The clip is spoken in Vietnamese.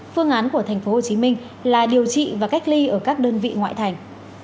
phương án của tp hcm là điều trị và cách ly ở các đơn vị ngoại thành